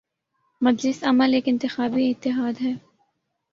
مجلس عمل ایک انتخابی اتحاد ہے۔